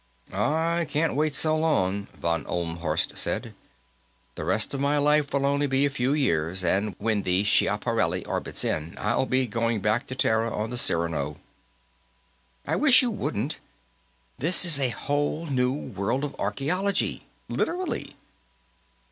"I can't wait so long," von Ohlmhorst said. "The rest of my life will only be a few years, and when the Schiaparelli orbits in, I'll be going back to Terra on the Cyrano." "I wish you wouldn't. This is a whole new world of archaeology. Literally."